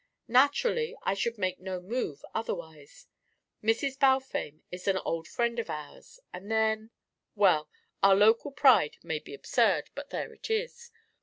Naturally I should make no move otherwise. Mrs. Balfame is an old friend of ours and then well, our local pride may be absurd, but there it is.